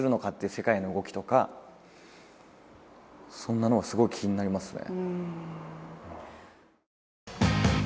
世界の動きとかそんなのがすごい気になりますね。